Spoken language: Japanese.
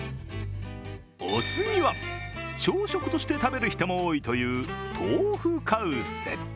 お次は、朝食として食べる人も多いという豆腐カウスェ。